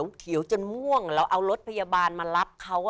ผมเขียวจนม่วงเราเอารถพยาบาลมารับเขา